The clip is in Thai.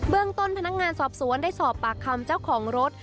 ต้นพนักงานสอบสวนได้สอบปากคำเจ้าของรถ